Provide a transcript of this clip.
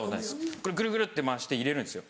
ぐるぐるって回して入れるんですよ。